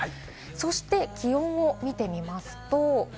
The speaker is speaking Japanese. そして気温を見てみます。